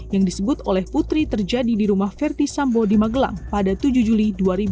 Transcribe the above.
yang disebut oleh putri terjadi di rumah verdi sambo di magelang pada tujuh juli dua ribu dua puluh